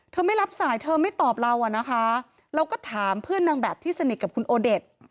ไม่รับสายเธอไม่ตอบเราอ่ะนะคะเราก็ถามเพื่อนนางแบบที่สนิทกับคุณโอเดช